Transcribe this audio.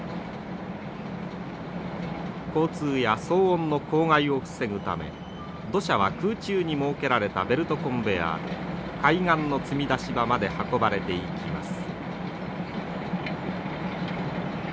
交通や騒音の公害を防ぐため土砂は空中に設けられたベルトコンベヤーで海岸の積み出し場まで運ばれていきます。